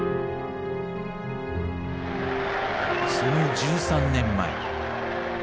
その１３年前。